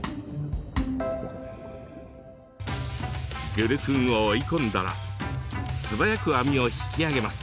グルクンを追い込んだら素早く網を引き上げます。